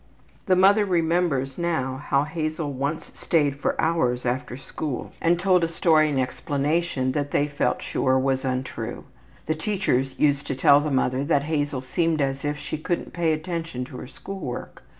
The mother remembers now how Hazel once stayed for hours after school and told a story in explanation that they felt sure was untrue. The teachers used to tell the mother that Hazel seemed as if she couldn't pay attention to her school work.